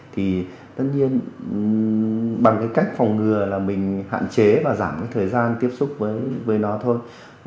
thì tất nhiên bằng cái cách phòng ngừa là mình hạn chế và giảm cái thời gian tiếp xúc với nó thôi